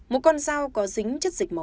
một con dao có dính chất dịch máu